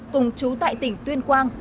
cùng chú tại tỉnh tuyên quang